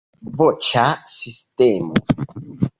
Voĉa sistemo.